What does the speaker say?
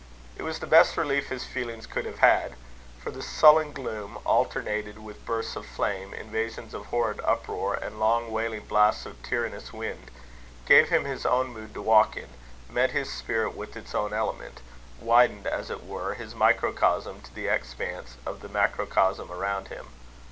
It was the best relief his feelings could have had; for the sullen gloom, alternated with bursts of flame, invasions of horrid uproar, and long wailing blasts of tyrannous wind, gave him his own mood to walk in; met his spirit with its own element; widened, as it were, his microcosm to the expanse of the macrocosm around him.